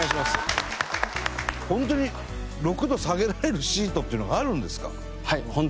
本当に６度下げられるシートっていうのがあるんですか？